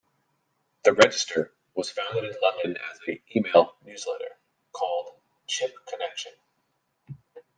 "The Register" was founded in London as an email newsletter called "Chip Connection".